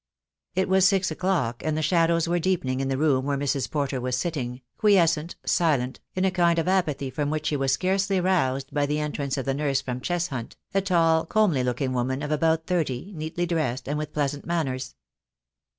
It was six o'clock, and the shadows were deepening in the room where Mrs. Porter was sitting, quiescent, silent, in a kind of apathy from winch she was scarcely roused by the entrance of the nurse from Cheshunt, a tall comely looking woman of about thirty, neatly dressed, and with pleasant manners.